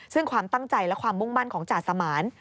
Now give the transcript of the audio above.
ซึ่งความตั้งใจและความมุ่งมั่นของจ่าสมาน